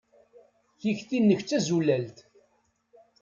Takti-nnek d tazulalt.